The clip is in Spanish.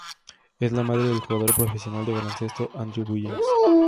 Es la madre del jugador profesional de baloncesto Andrew Wiggins.